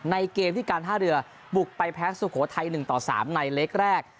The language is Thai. เกมที่การท่าเรือบุกไปแพ้สุโขทัย๑ต่อ๓ในเล็กแรก